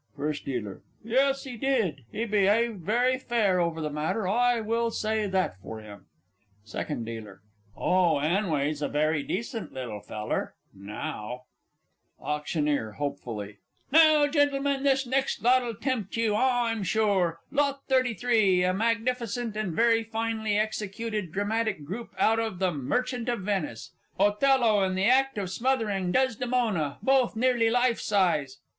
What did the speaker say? FIRST D. Yes, he did he beyaved very fair over the matter, I will say that for him. SECOND D. Oh, 'Anway's a very decent little feller now. AUCT. (hopefully). Now, Gentlemen, this next lot'll tempt you, _I'_m sure! Lot 33, a magnificent and very finely executed dramatic group out of the "Merchant of Venice," Othello in the act of smothering Desdemona, both nearly life size.